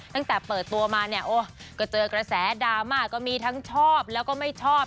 ตั้งแต่เปิดตัวมาเนี่ยโอ้ก็เจอกระแสดราม่าก็มีทั้งชอบแล้วก็ไม่ชอบ